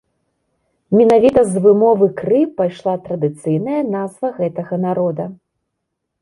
Менавіта з вымовы кры пайшла традыцыйная назва гэтага народа.